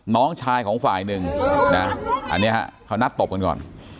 น้องชายของฝ่ายหนึ่งนะอันนี้ฮะเขานัดตบกันก่อน